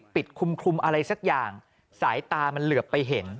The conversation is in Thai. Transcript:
คลุมอะไรสักอย่างสายตามันเหลือไปเห็น